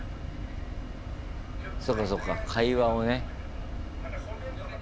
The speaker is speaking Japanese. そうかそうか会話をね。